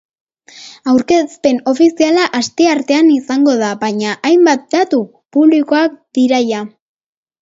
Aurkezpen ofiziala asteartean izango da, baina hainbat datu publikoak dira jada.